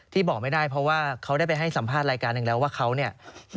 บอกไม่ได้เพราะว่าเขาได้ไปให้สัมภาษณ์รายการหนึ่งแล้วว่าเขาเนี่ย